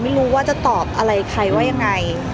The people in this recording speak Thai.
ไม่รู้ว่าจะตอบอะไรใครว่ายังไง